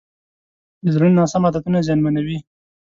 د زړه ناسم عادتونه زیانمنوي.